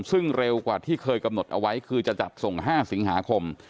ซึ่งเร็วกว่าที่เคยกำหนดเอาไว้คือจะจัดส่ง๕สิงหาคม